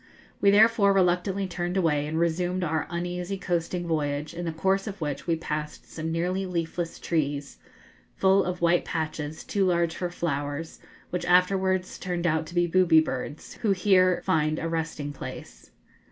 We therefore reluctantly turned away and resumed our uneasy coasting voyage, in the course of which we passed some nearly leafless trees, full of white patches, too large for flowers, which afterwards turned out to be booby birds, who here find a resting place.